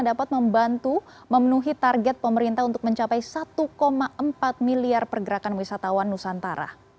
dapat membantu memenuhi target pemerintah untuk mencapai satu empat miliar pergerakan wisatawan nusantara